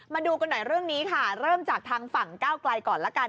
มาดูกันหน่อยเรื่องนี้ค่ะเริ่มจากทางฝั่งก้าวไกลก่อนละกัน